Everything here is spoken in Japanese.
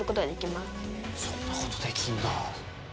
まそんなことできるんだ。